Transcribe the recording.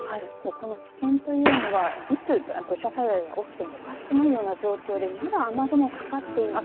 この危険というのはいつ土砂災害が起きてもおかしくないような状況でまだ雨雲かかっています。